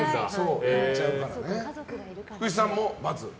福地さんも×？